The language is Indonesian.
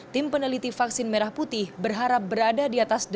tim peneliti vaksin merah putih berharap berada di atas